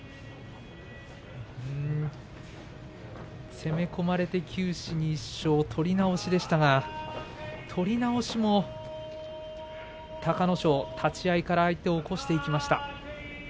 攻め込まれて九死に一生取り直しでしたけれど取り直しも隆の勝立ち合いから相手を起こしていきました。